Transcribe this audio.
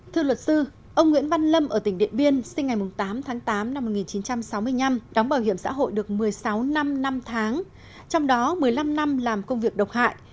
thưa luật sư ông nguyễn văn lâm ở tỉnh điện biên sinh ngày tám tháng tám năm một nghìn chín trăm sáu mươi năm đóng bảo hiểm xã hội được một mươi sáu năm năm tháng trong đó một mươi năm năm làm công việc độc hại